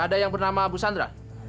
ada yang bernama bu sandra